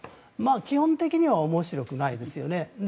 基本的には面白くないですよね。